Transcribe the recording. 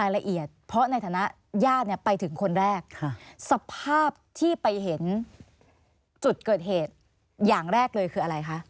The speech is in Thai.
หญ้าไปถึงคนแรกสภาพที่ไปเห็นจุดเกิดเหตุอย่างแรกเลยคืออะไรคะ